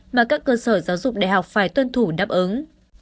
mà các cơ sở giáo dục đại học phải tuân thủ đáp ứng